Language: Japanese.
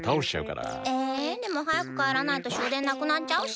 えでもはやくかえらないと終電なくなっちゃうし。